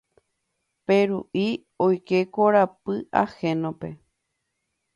Peru'i oike korapy ahénope.